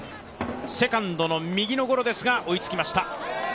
セカンドの右のゴロですが追いつきました。